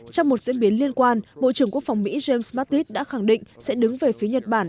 trong một diễn biến liên quan bộ trưởng quốc phòng mỹ james mattis đã khẳng định sẽ đứng về phía nhật bản